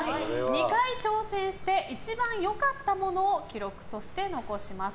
２回挑戦して一番よかったものを記録として残します。